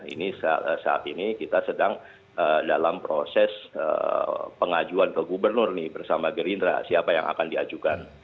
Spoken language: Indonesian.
ini saat ini kita sedang dalam proses pengajuan ke gubernur nih bersama gerindra siapa yang akan diajukan